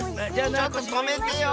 ちょっととめてよ！